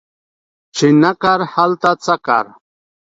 چی نه کار، هلته څه کار